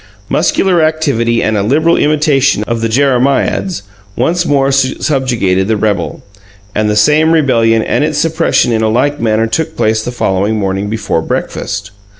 Muscular activity and a liberal imitation of the jeremiads once more subjugated the rebel and the same rebellion and its suppression in a like manner took place the following morning before breakfast.